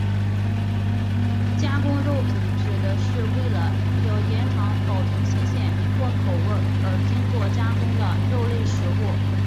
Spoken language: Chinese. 加工肉品指的是为了要延长保存期限或口味而经过加工的肉类食物。